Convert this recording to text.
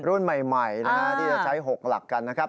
รุ่นใหม่ที่จะใช้๖หลักกันนะครับ